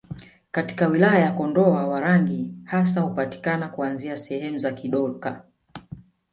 Katika wilaya ya Kondoa Warangi hasa hupatikana kuanzia sehemu za Kidoka